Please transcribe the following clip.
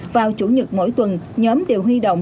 vào chủ nhật mỗi tuần nhóm đều huy động